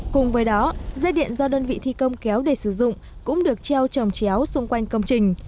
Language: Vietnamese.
cùng với đó dây điện do đơn vị thi công kéo để sử dụng cũng được treo trồng chéo xung quanh công trình